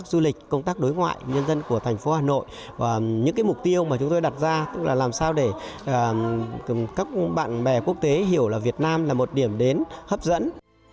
du lịch công tác đối ngoại nhân dân của thành phố hà nội và những mục tiêu mà chúng tôi đặt ra tức là làm sao để các bạn bè quốc tế hiểu là việt nam là một điểm đến hấp dẫn